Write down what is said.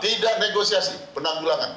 tidak negosiasi penanggulangan